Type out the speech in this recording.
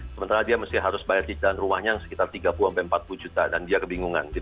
sementara dia harus bayar cicilan rumahnya sekitar tiga puluh empat puluh juta dan dia kebingungan